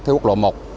theo quốc lộ một